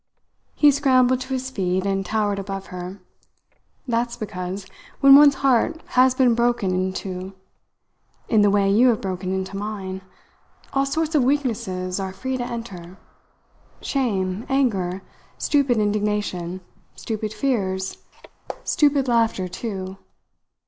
He scrambled to his feet and towered above her. "That's because, when one's heart has been broken into in the way you have broken into mine, all sorts of weaknesses are free to enter shame, anger, stupid indignation, stupid fears stupid laughter, too.